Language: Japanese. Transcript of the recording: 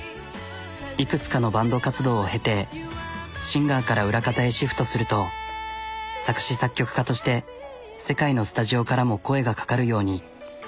いくつかのバンド活動を経てシンガーから裏方へシフトすると作詞作曲家として世界のスタジオからも声がかかるように。